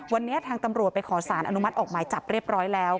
วันนี้ทำรับสารออกหมายจับเรียบร้อยแล้ว